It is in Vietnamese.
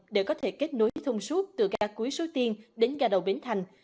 để có thể kết nối thông suốt từ gà cuối sối tiên đến gà đầu bến thành